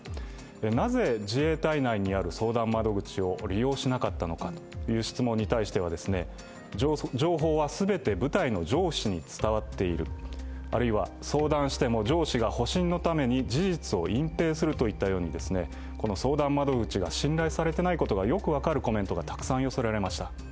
なぜ自衛隊内にある相談窓口を利用しなかったのかという質問に対しては情報は全て部隊の上司に伝わっている、あるいは相談しても上司が保身のために事実を隠ぺいするといったように相談窓口が信頼されていないことがよく分かるコメントがたくさん寄せられました。